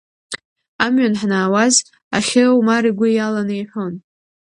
Амҩан ҳанаауаз, Ахьы Омар игәы иаланы иҳәон…